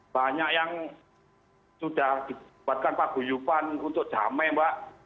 banyak yang sudah dibuatkan paguyupan untuk damai mbak